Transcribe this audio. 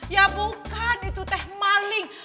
ya bukan itu teh maling